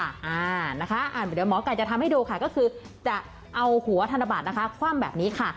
เดี๋ยวหมอไก่จะทำให้ดูค่ะก็คือจะเอาหัวธนบัตรนะคะคว่ำแบบนี้ค่ะ